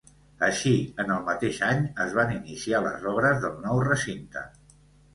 Així, en el mateix any, es van iniciar les obres del nou recinte.